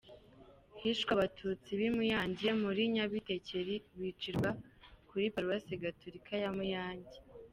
Hishwe Abatutsi b’ i Muyange muri Nyabitekeri bicirwa kuri Paruwasi Gatulika ya Muyange.